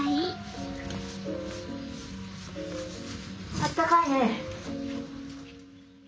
あったかいね。